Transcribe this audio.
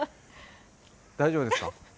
大丈夫ですか？